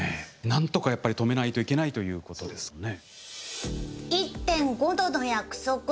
なんとかやっぱり止めないといけないということですね。